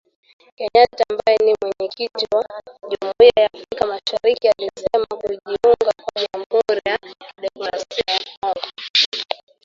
Kenyatta ambaye ni Mwenyekiti wa Jumuiya ya Afrika Mashariki alisema kujiunga kwa Jamhuri ya Kidemokrasia ya Kongo